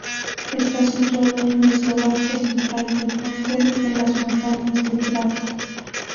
Está situado en Eslovaquia central del norte en las montañas de Tatra.